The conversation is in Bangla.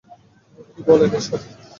কি বলেন এসব?